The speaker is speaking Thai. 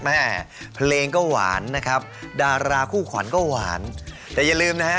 แม่เพลงก็หวานนะครับดาราคู่ขวัญก็หวานแต่อย่าลืมนะฮะ